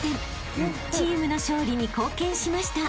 ［チームの勝利に貢献しました］